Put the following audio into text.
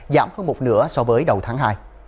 giảm hơn một nửa so với đầu tháng hai